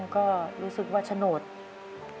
แต่ที่แม่ก็รักลูกมากทั้งสองคน